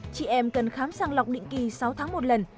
chị em cần khám sàng lọc định kỳ sáu tháng một lần